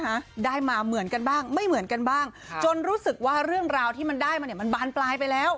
ฮะได้มาเหมือนกันบ้างไม่เหมือนกันบ้างจนรู้สึกว่าเรื่องราวที่มันได้มาเนี่ยมันบานปลายไปแล้ว